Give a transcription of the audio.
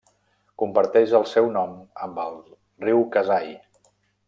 Comparteix el seu nom amb el Riu Kasai.